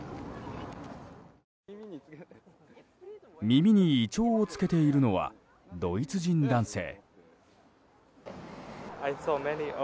耳にイチョウをつけているのはドイツ人男性。